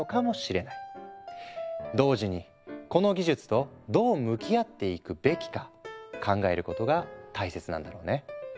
同時にこの技術とどう向き合っていくべきか考えることが大切なんだろうね。